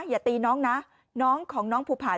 อย่าตีน้องนะน้องของน้องภูผา